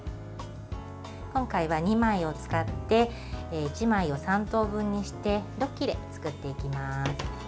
今回は２枚を使って１枚を３等分にして６切れ作っていきます。